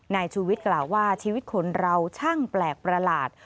นายชูวิทย์กล่าวว่าชีวิตคนเราช่างแปลกประหลาด